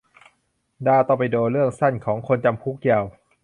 ดา ตอร์ปิโด : เรื่องสั้น ของคนจำ คุก ยาว